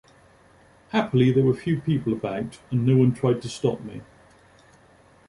Happily there were few people about and no one tried to stop me.